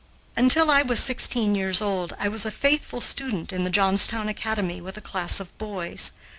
Until I was sixteen years old, I was a faithful student in the Johnstown Academy with a class of boys.